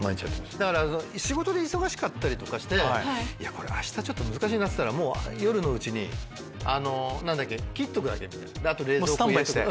だから仕事で忙しかったりとかしてこれ明日難しいなっつったらもう夜のうちに切っとくだけみたいなあと冷蔵庫入れとく。